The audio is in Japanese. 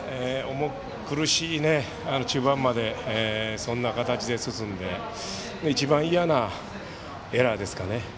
苦しいね、中盤までそんな形で進んで一番嫌なエラーですかね